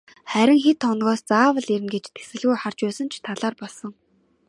Харин хэд хоногоос заавал ирнэ гэж тэсэлгүй харж байсан ч талаар болсон.